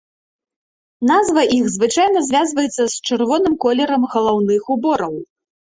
Назва іх звычайна звязваецца з чырвоным колерам галаўных убораў.